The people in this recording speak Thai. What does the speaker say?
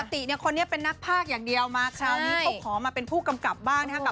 ปกติเนี่ยคนนี้เป็นนักภาคอย่างเดียวมาคราวนี้เขาขอมาเป็นผู้กำกับบ้างนะครับ